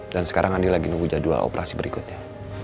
dan sekarang andi lagi nunggu jadwal operasi berikutnya